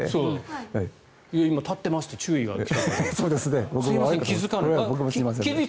今、立ってますって注意が出たので。